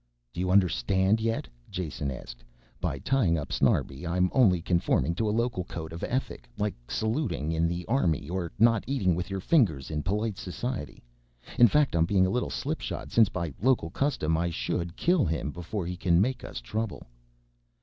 "Do you understand yet?" Jason asked. "By tying up Snarbi I'm only conforming to a local code of ethic, like saluting in the army or not eating with your fingers in polite society. In fact I'm being a little slipshod, since by local custom I should kill him before he can make us trouble."